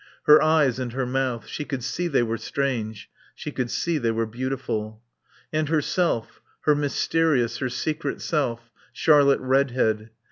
Her eyes and her mouth. She could see they were strange. She could see they were beautiful. And herself, her mysterious, her secret self, Charlotte Redhead.